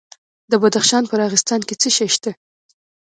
د بدخشان په راغستان کې څه شی شته؟